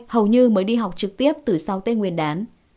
hầu như mới đi học trực tiếp từ sau tết nguyên đán